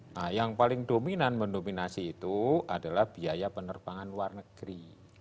nah yang paling dominan mendominasi itu adalah biaya penerbangan luar negeri